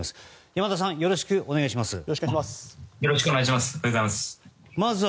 山田さんよろしくお願いします。